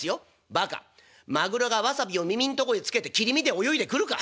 「バカまぐろがわさびを耳んとこへつけて切り身で泳いでくるか！？」。